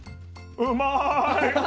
うまいッ！